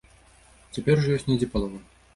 Цяпер ужо ёсць недзе палова.